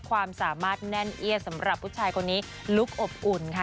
ความสามารถแน่นเอี้ยสำหรับผู้ชายคนนี้ลุคอบอุ่นค่ะ